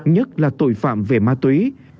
tức là tội phạm về ma tuế